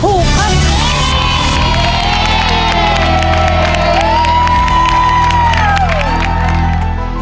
ถูกคำนี้